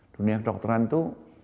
dunia kedokteran itu